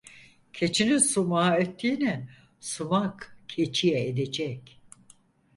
Keçinin sumağa ettiğini sumak keçiye edecek.